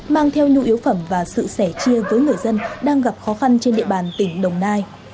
mang theo nhu yếu phẩm và sự sẻ chia với người dân đang gặp khó khăn trên địa bàn tỉnh đồng nai